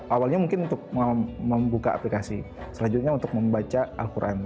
awalnya mungkin untuk membuka aplikasi selanjutnya untuk membaca al quran